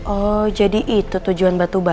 oh jadi itu tujuan batu bata